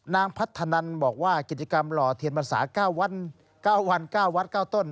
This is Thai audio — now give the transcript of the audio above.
นางพัฒนันบอกว่ากิจกรรมหล่อเทียนพรรษา๙วัน๙วัด๙ต้น